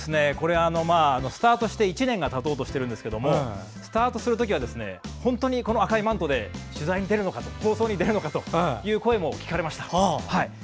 スタートして１年がたとうしているんですがスタートする時は当初は本当に赤いマントで取材に出るのかという声も聞かれました。